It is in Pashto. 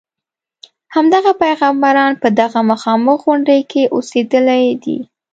همدغه پیغمبران په دغه مخامخ غونډې کې اوسېدلي دي.